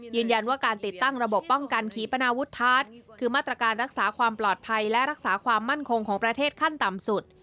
ยืนยันว่าการติดตั้งระบบป้องกันขีปนาวุฒาสคือมาตรการรักษาความปลอดภัยและรักษาความมั่นคงของประเทศขั้นต่ำสุด